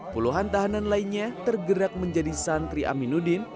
puluhan tahanan lainnya tergerak menjadi santri aminuddin